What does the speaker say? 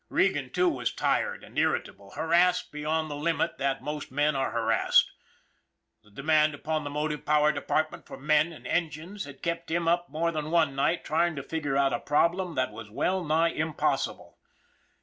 Regan, too, was tired and irritable, harassed beyond the limit that most men are harassed. The demand upon the motive power department for men and engines had kept him up more than one night trying to figure out a prob lem that was well nigh impossible.